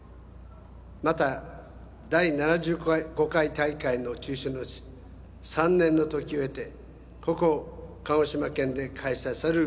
また、第７５回大会の中止の後三年の時を経てここ鹿児島県で開催される